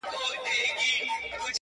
o له خوب چي پاڅي، توره تياره وي.